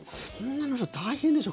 女の人、大変でしょ？